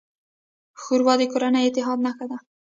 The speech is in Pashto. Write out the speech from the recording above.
ښوروا د کورني اتحاد نښه ده.